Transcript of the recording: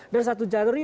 dan satu jari